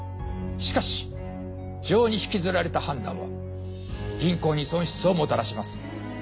しかし情に引きずられた判断は銀行に損失をもたらします。